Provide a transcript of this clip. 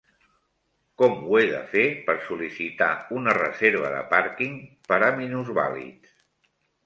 Com ho he de fer per sol·licitar una reserva de parking per a minusvàlids?